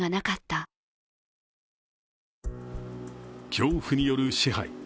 恐怖による支配。